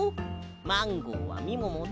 マンゴーはみももで。